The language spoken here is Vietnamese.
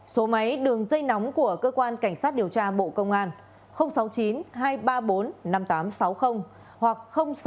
số máy đường dây nóng của cơ quan cảnh sát điều tra bộ công an sáu mươi chín hai trăm ba mươi bốn năm nghìn tám trăm sáu mươi hoặc sáu mươi chín hai trăm ba mươi hai một nghìn sáu trăm bảy